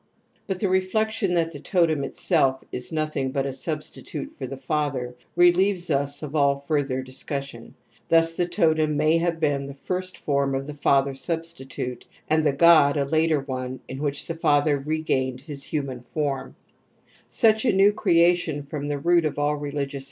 But the reflection that the totem itself is nothing but a substitute for the father relieves us of all further discus sion. Thus the totem may have been the first form of the father substitute and the god a later o ne in which the father regained his hiimaii form, uch a new crealion from the root of fill reM^o'us />* Robertson SmitB^ Bdifjtion of ihe SemUes, Second Edition.